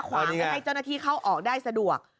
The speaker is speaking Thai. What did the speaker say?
ขวางไม่ให้เจ้าหน้าที่เข้าออกได้สะดวก